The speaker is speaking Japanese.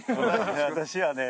私はね